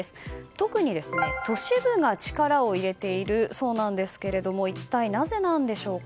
特に、都市部が力を入れているそうなんですが一体なぜなんでしょうか。